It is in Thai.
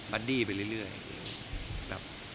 บัดดี้ไปเรื่อย